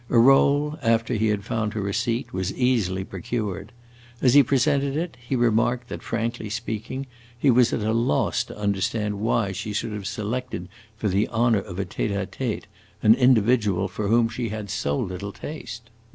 A roll, after he had found her a seat, was easily procured. As he presented it, he remarked that, frankly speaking, he was at loss to understand why she should have selected for the honor of a tete a tete an individual for whom she had so little taste.